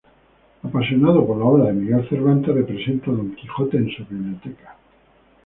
Apasionado por la obra de Miguel de Cervantes, representa "Don Quijote en su Biblioteca".